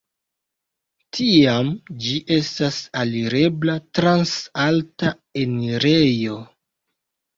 Tiam ĝi estas alirebla trans alta enirejo.